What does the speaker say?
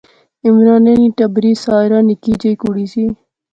عمرانے نی ٹبری ساحرہ نکی جئی کڑی سی